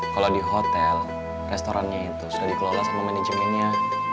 kalau di hotel restorannya itu sudah dikelola sama manajemennya